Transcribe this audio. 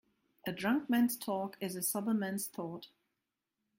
A drunk man's talk is a sober man's thought.